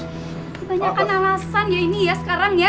banyak kan alasan ya ini ya sekarang ya